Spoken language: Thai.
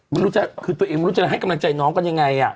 มันจะถ่ายกำลังใจให้น้องก็ยังไง